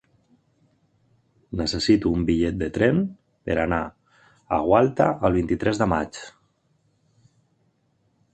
Necessito un bitllet de tren per anar a Gualta el vint-i-tres de maig.